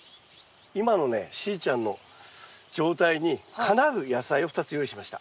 今のねしーちゃんの状態にかなう野菜を２つ用意しました。